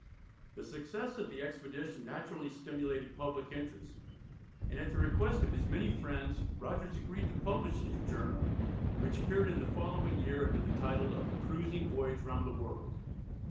The success of the expedition naturally stimulated public interest, and at the request of his many friends, Rogers agreed to publish his "journal," which appeared in the following year under the title of "A Cruising Voyage round the World."